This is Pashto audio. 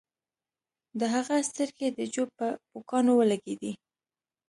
د هغه سترګې د جو په پوکاڼو ولګیدې